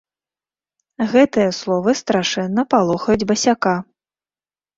Гэтыя словы страшэнна палохаюць басяка.